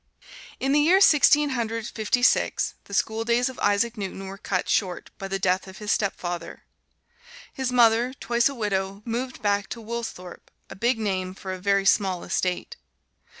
In the year Sixteen Hundred Fifty six the schooldays of Isaac Newton were cut short by the death of his stepfather. His mother, twice a widow, moved back to "Woolsthorpe," a big name for a very small estate.